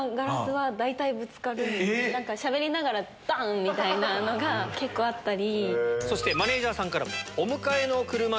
しゃべりながらダン！みたいなのが結構あったり。